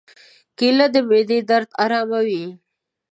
کېله د معدې درد آراموي.